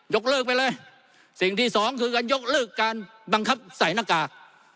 เลิกไปเลยสิ่งที่สองคือการยกเลิกการบังคับใส่หน้ากาก